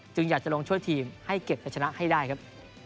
อยากจะลงช่วยทีมให้เก็บจะชนะให้ได้ครับ